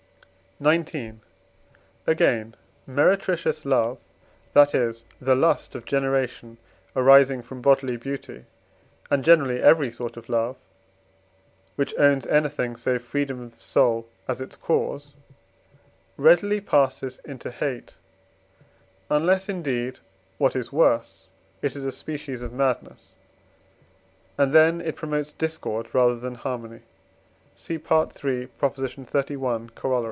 XIX. Again, meretricious love, that is, the lust of generation arising from bodily beauty, and generally every sort of love, which owns anything save freedom of soul as its cause, readily passes into hate; unless indeed, what is worse, it is a species of madness; and then it promotes discord rather than harmony (cf. III. xxxi. Coroll.).